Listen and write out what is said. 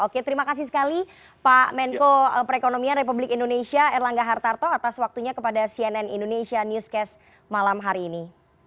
oke terima kasih sekali pak menko perekonomian republik indonesia erlangga hartarto atas waktunya kepada cnn indonesia newscast malam hari ini